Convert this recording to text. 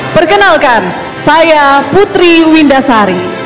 perkenalkan saya putri windasari